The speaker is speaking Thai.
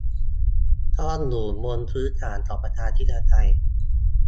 ต้องอยู่บนพื้นฐานของประชาธิปไตย